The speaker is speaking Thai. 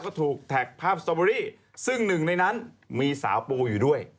ก็ถูกแท็กภาพสตอเบอรี่ซึ่งหนึ่งในนั้นมีสาวปูอยู่ด้วย